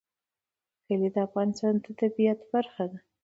کلي د افغانستان د طبیعت برخه ده.